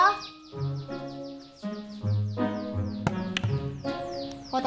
potet udah mau makan ya